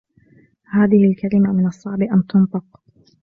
هذه الكلمة من الصعب أن تنطق.